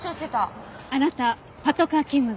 あなたパトカー勤務の。